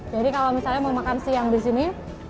jadi kalau misalnya mau makan siang di sini